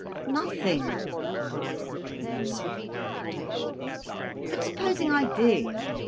"Nothing," cried Gudrun, in swift refutation. "But supposing I did.